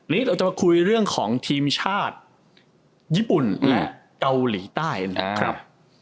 นี่เราจะมาคุยเรื่องของทีมชาติญี่ปุ่นและเกาหลีใต้นะครับ